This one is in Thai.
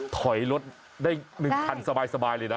ถอยรถได้๑คันสบายเลยนะ